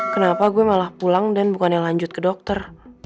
kenapa gue malah pulang dan bukannya lanjut ke dokter